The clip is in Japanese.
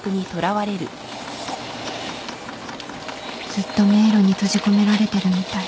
ずっと迷路に閉じ込められてるみたい